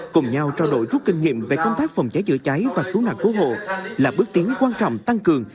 cùng nhau trao đổi rút kinh nghiệm về công tác phòng cháy chữa cháy và cứu nạn cứu hộ là bước tiến quan trọng tăng cường